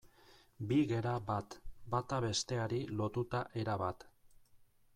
Bi gera bat, bata besteari lotuta erabat.